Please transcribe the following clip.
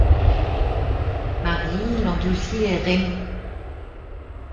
Marie, Landouzy et Raymond.